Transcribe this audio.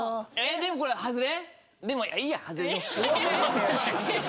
でもこれ外れ？